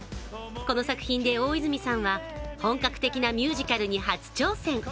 この作品で大泉さんは本格的なミュージカルに初挑戦。